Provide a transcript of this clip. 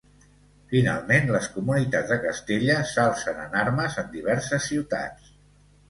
Finalment, les Comunitats de Castella s'alcen en armes en diverses ciutats.